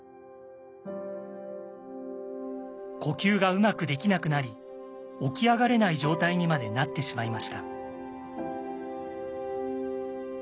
呼吸がうまくできなくなり起き上がれない状態にまでなってしまいました。